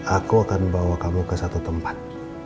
aku akan bawa kamu ke satu tempat